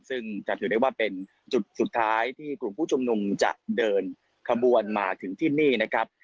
ซึ่งจะถือได้ว่าเป็นจุดสุดท้ายที่กลุ่มผู้ชุมนุมจะเดินขบวนมาถึงที่นี่นะครับ